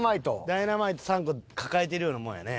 ダイナマイト３個抱えてるようなもんやね。